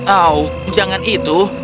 oh jangan itu